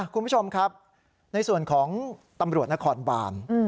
คุณผู้ชมครับในส่วนของตำรวจนครบาน